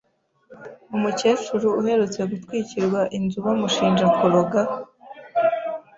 Umukecuru uherutse gutwikirwa inzu bamushinja kuroga,